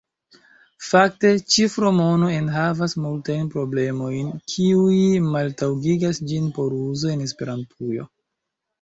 Fakte ĉifromono enhavas multajn problemojn, kiuj maltaŭgigas ĝin por uzo en Esperantujo.